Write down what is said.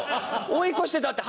追い越してたって。